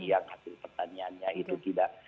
yang hasil pertaniannya itu tidak